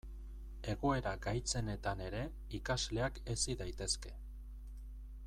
Egoera gaitzenetan ere ikasleak hezi daitezke.